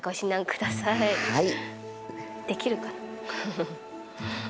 できるかな？